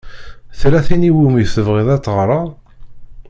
Tella tin i wumi tebɣiḍ ad teɣṛeḍ?